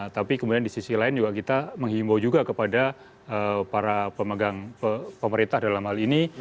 tapi kemudian di sisi lain juga kita menghimbau juga kepada para pemegang pemerintah dalam hal ini